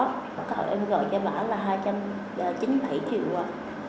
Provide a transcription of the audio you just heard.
sau khi em gọi cho bà đó là hai cha bà đó